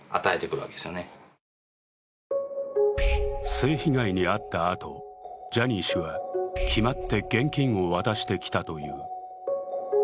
性被害に遭ったあと、ジャニー氏は決まって現金を渡してきたという。